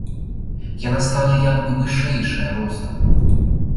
Яна стала як бы вышэйшая ростам.